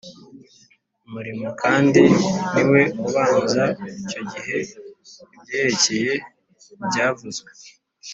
umurimo kandi niwe ubazwa icyo gihe ibyerekeye ibyavuzwe